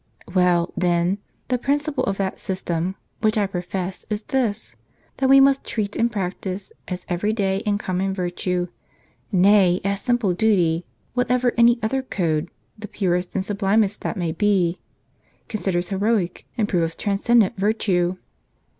" Well, then, the principle of that system which I profess is this : that we must treat and practise, as every day and common virtue, nay, as simple duty, whatever any other code, the purest and sublimest that may be, considers heroic, and proof of transcendent virtue."